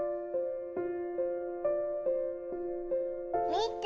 みて！